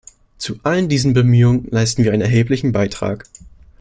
Zu allen diesen Bemühungen leisten wir einen erheblichen Beitrag.